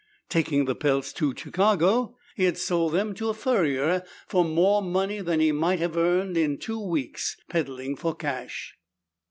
Taking the pelts to Chicago, he had sold them to a furrier for more money than he might have earned in two weeks peddling for cash.